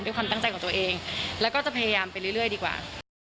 ความตั้งใจของตัวเองแล้วก็จะพยายามไปเรื่อยดีกว่า